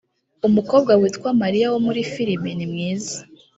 Umukobwa witwa Maria wo muri filime ni mwiza